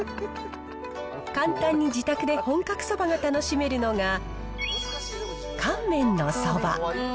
簡単に自宅で本格そばが楽しめるのが、乾麺のそば。